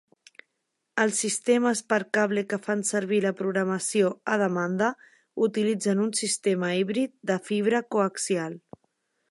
Els sistemes per cable que fan servir la programació a demanda utilitzen un sistema híbrid de fibra coaxial.